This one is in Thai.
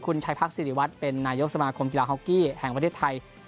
คุณชัยพักษิริวัตรเป็นนายกสมาคมกีฬาฮอกกี้แห่งประเทศไทย